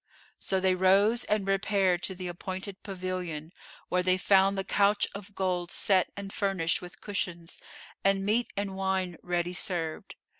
So they rose and repaired to the appointed pavilion, where they found the couch of gold set and furnished with cushions, and meat and wine ready served.